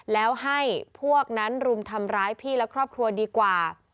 แล้วให้พวกนั้นรุมทำร้ายพี่และครอบครัวดีกว่า